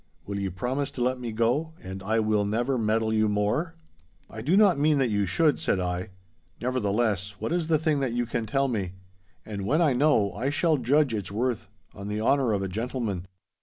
Will ye promise to let me go, and I will never meddle you more?' 'I do not mean that you should,' said I, 'nevertheless, what is the thing that you can tell me? And when I know, I shall judge its worth—on the honour of a gentleman.